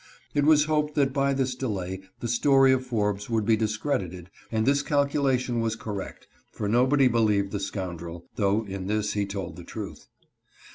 It was hoped that by this delay the story of Forbes would be discredited, and this calculation was correct, for nobody believed the scoundrel, though in this he told the truth.